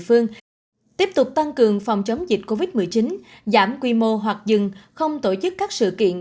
phương tiếp tục tăng cường phòng chống dịch covid một mươi chín giảm quy mô hoặc dừng không tổ chức các sự kiện